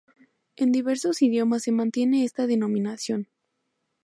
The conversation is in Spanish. En diversos idiomas se mantiene esta denominación.